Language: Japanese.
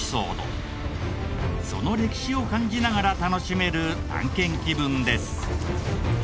その歴史を感じながら楽しめる探検気分です。